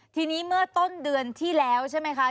ทีนี้เมื่อต้นเดือนที่แล้วใช่ไหมคะ